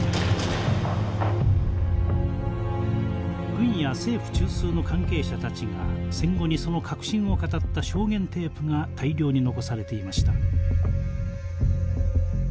軍や政府中枢の関係者たちが戦後にその核心を語った証言テープが大量に残されていました。